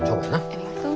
ありがとう。